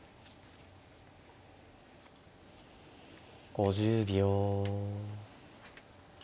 ５０秒。